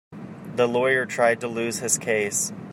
The lawyer tried to lose his case.